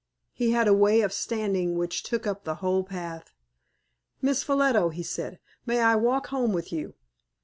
He had a way of standing which took up the whole path. "Miss Ffolliot," he said, "may I walk home with you?"